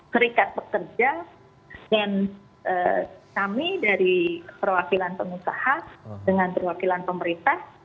serikat pekerja dan kami dari perwakilan pengusaha dengan perwakilan pemerintah